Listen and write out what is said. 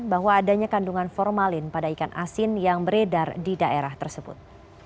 bahwa adanya kandungan formalin pada ikan asin yang beredar di daerah tersebut